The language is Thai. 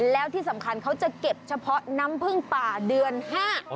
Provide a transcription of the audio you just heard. แล้วที่สำคัญเขาจะเก็บเฉพาะน้ำพึ่งป่าเดือนห้า